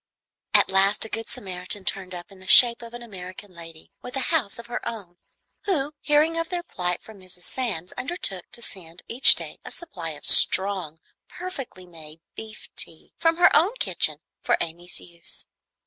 At last a good Samaritan turned up in the shape of an American lady with a house of her own, who, hearing of their plight from Mrs. Sands, undertook to send each day a supply of strong, perfectly made beef tea, from her own kitchen, for Amy's use.